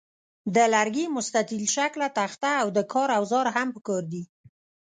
د لرګي مستطیل شکله تخته او د کار اوزار هم پکار دي.